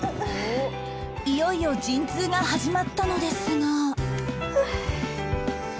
いよいよ陣痛が始まったのですが